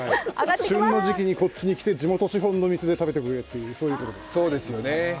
旬の時期にこっちに来て、地元資本の店に食べに来いということです。